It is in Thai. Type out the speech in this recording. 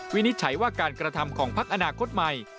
วินิจฉัยว่าการกระทำของพักอนาคตใหม่